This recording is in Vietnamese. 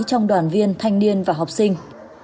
trong đoàn viên thanh niên và học sinh